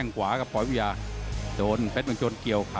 มั่นใจว่าจะได้แชมป์ไปพลาดโดนในยกที่สามครับเจอหุ้กขวาตามสัญชาตยานหล่นเลยครับ